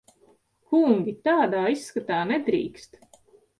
Kungi! Tādā izskatā nedrīkst.